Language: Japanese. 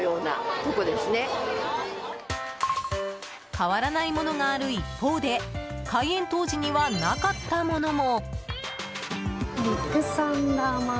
変わらないものがある一方で開園当時にはなかったものも。